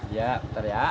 iya bentar ya